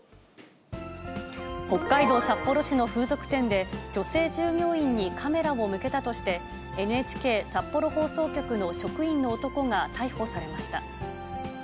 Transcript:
北海道札幌市の風俗店で、女性従業員にカメラを向けたとして、ＮＨＫ札幌放送局の職員の男が逮捕されました。